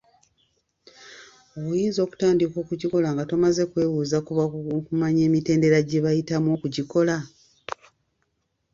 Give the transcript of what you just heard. Oyinza okutandika okugikola nga tomaze kwebuuza ku bakugu okumanya emitendera gye bayitamu okugikola?